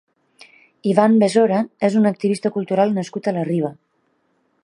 Ivan Besora és un activista cultural nascut a la Riba.